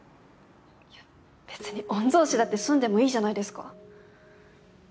いや別に御曹司だって住んでもいいじゃないですか。